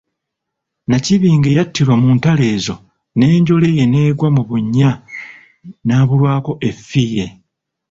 Nnakibinge yattirwa mu ntalo ezo n'enjole ye n'egwa mu bunnya n'abulwako effiire.